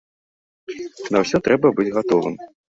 На ўсё трэба быць гатовым.